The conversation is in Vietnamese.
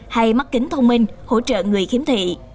hay mắt kính thông minh hỗ trợ người khiếm thị